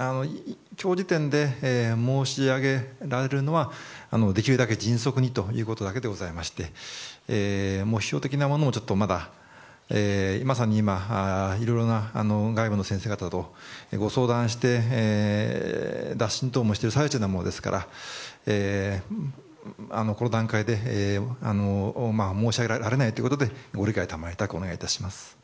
今日時点で申し上げられるのはできるだけ迅速にということだけでございまして目標的なものも、まさに今いろいろな外部の先生方とご相談して打診等もしている最中なものですからこの段階で申し上げられないということでご理解たまわりたくお願いいたします。